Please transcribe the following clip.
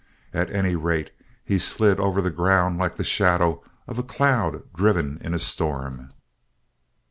At any rate, he slid over the ground like the shadow of a cloud driven in a storm.